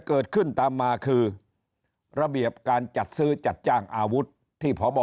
เกิดขึ้นตามมาคือระเบียบการจัดซื้อจัดจ้างอาวุธที่พบ